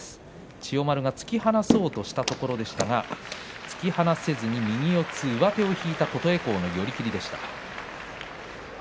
千代丸が突き放そうとしたところでしたが突き放せずに右四つで上手を引いたことで琴恵光の寄り切りでした。